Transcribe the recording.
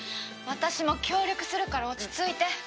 私も協力するから落ち着いて。